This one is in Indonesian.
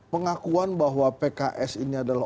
pengakuan bahwa pks ini adalah